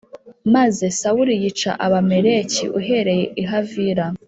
Maze sawuli yica abamaleki uhereye i havila